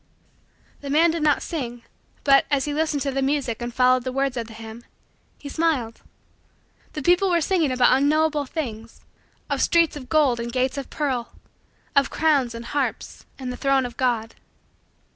The man did not sing, but, as he listened to the music and followed the words of the hymn, he smiled. The people were singing about unknowable things of streets of gold and gates of pearl of crowns and harps and the throne of God.